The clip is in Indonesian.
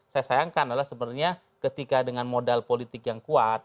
saya sayangkan adalah sebenarnya ketika dengan modal politik yang kuat